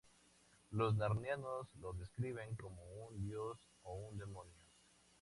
Los Narnianos lo describen como un dios o un demonio.